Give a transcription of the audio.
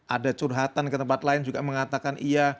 ada curhatan ke tempat lain juga mengatakan iya